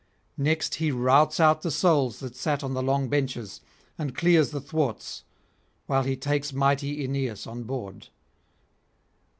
Next he routs out the souls that sate on the long benches, and clears the thwarts, while he takes mighty Aeneas on board.